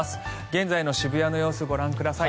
現在の渋谷の様子ご覧ください。